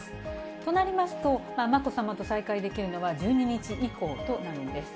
となりますと、まこさまと再会できるのは１２日以降となるんです。